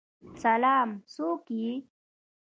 سلام، څوک یی؟